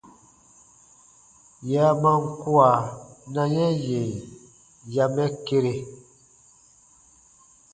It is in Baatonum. Yè a man kua, na yɛ̃ yè ya mɛ kere.